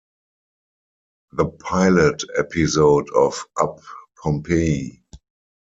The pilot episode of Up Pompeii!